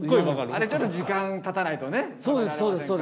あれちょっと時間たたないとね食べられませんから。